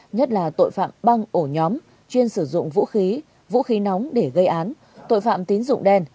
nhất là tội phạm băng ổ nhóm chuyên sử dụng vũ khí vũ khí nóng để gây án tội phạm tín dụng đen